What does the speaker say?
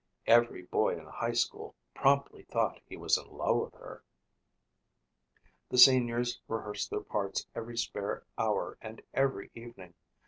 Every boy in high school promptly thought he was in love with her. The seniors rehearsed their parts every spare hour and every evening.